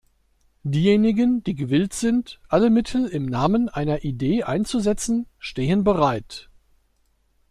Diejenigen, die gewillt sind, alle Mittel im Namen einer Idee einzusetzen, stehen bereit.